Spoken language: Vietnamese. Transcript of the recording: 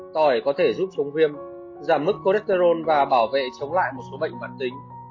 tỏi có thể giúp chống viêm giảm mức cholesterol và bảo vệ chống lại một số bệnh mạng tính